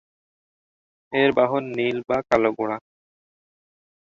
এর বাহন নীল বা কালো ঘোড়া।